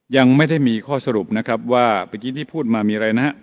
ยังไม่ได้มีข้อสรุปนะครับว่าเมื่อกี้ที่พูดมามีอะไรนะฮะ